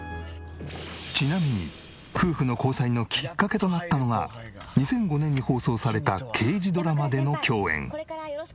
ちなみに夫婦の交際のきっかけとなったのが２００５年に放送された刑事ドラマでの共演。